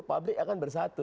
public akan bersatu